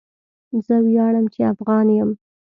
زه ویاړم چې افغان یم.